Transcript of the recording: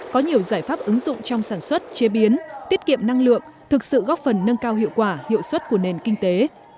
có nhiều giải pháp ứng dụng trong sản xuất chế biến tiết kiệm năng lượng thực sự góp phần nâng cao hiệu quả hiệu suất của nền kinh tế